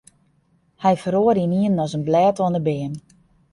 Hy feroare ynienen as in blêd oan 'e beam.